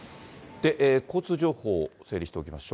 交通情報、整理しておきましょう。